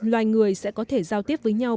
loài người sẽ có thể giao tiếp với nhau